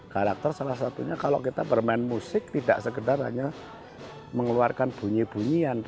karakter salah satunya kalau kita bermain musik tidak sekedar hanya mengeluarkan bunyi bunyian